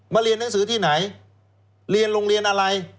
เรียนหนังสือที่ไหนเรียนโรงเรียนอะไร